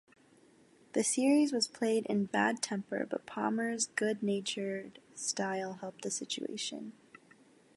The series was played in bad temper, but Palmer's good-natured style helped the situation.